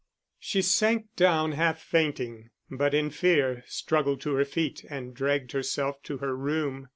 She sank down half fainting, but, in fear, struggled to her feet and dragged herself to her room.